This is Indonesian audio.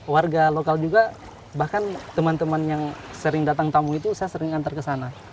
warga lokal juga bahkan teman teman yang sering datang tamu itu saya sering antar ke sana